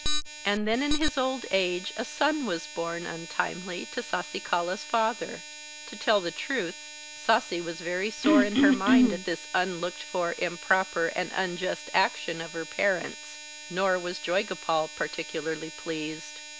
And then in his old age a son was born untimely to Sasikala's father. To tell the truth, Sasi was very sore in her mind at this unlooked for, improper, and unjust action of her parents; nor was Joygopal particularly pleased.